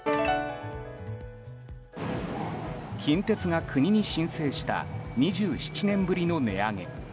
近鉄が国に申請した２７年ぶりの値上げ。